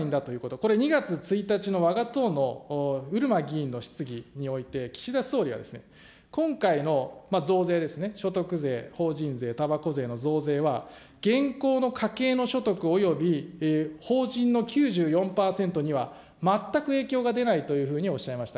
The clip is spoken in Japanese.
これ２月１日のわが党のうるま議員の質疑において、岸田総理は今回の増税ですね、所得税、法人税、たばこ税の増税は、現行の家計の所得および法人の９４％には全く影響が出ないというふうにおっしゃいました。